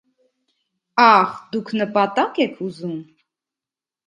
- Ա՛խ, դուք նպատա՞կ եք ուզում: